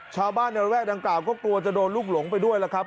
ชาวบ้านในระวะแรกต่างก็กลัวจะโดนลูกหลงไปด้วยครับ